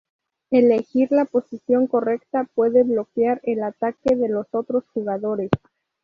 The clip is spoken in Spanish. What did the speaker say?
Elegir la posición correcta puede bloquear el ataque de los otros jugadores.